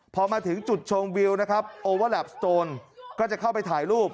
พอมาถึงจุดชมวิวนะครับโอเวอร์แลปสโตนก็จะเข้าไปถ่ายรูป